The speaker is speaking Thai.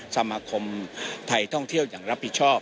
สมาคมไทยท่องเที่ยวอย่างรับผิดชอบ